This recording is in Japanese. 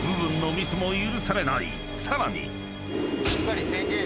［さらに］